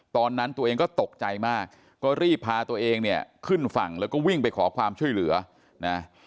ตอนนั้นตัวเองก็ตกใจมากก็รีบพาตัวเองเนี่ยขึ้นฝั่งแล้วก็วิ่งไปขอความช่วยเหลือนะ